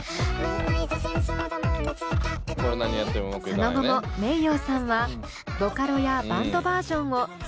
その後もｍｅｉｙｏさんはボカロやバンドバージョンを次々に発表。